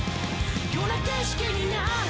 「ような景色になる」